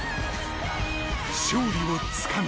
勝利をつかみ